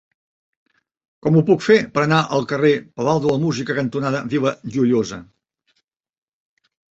Com ho puc fer per anar al carrer Palau de la Música cantonada Vila Joiosa?